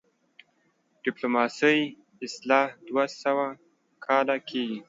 د ډيپلوماسۍ اصطلاح دوه سوه کاله کيږي